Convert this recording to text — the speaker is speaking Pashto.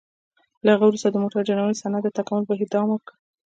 له هغه وروسته د موټر جوړونې صنعت د تکامل بهیر دوام وکړ.